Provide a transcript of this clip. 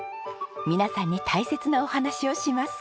皆さんに大切なお話をします。